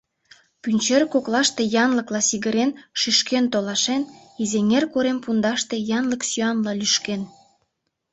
Пӱнчер коклаште янлыкла сигырен, шӱшкен толашен, Изеҥер корем пундаште янлык сӱанла лӱшкен...